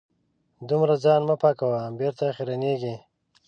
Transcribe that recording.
دومره ځان مه پاکوه .بېرته خیرنېږې